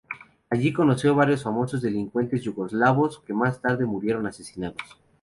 Allí conoció a varios famosos delincuentes yugoslavos que más tarde murieron asesinados.